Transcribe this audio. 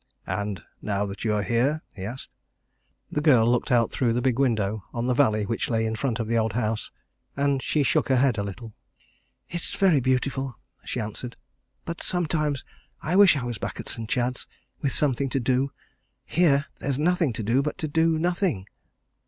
"And now that you are here?" he asked. The girl looked out through the big window on the valley which lay in front of the old house, and she shook her head a little. "It's very beautiful," she answered, "but I sometimes wish I was back at St. Chad's with something to do. Here there's nothing to do but to do nothing."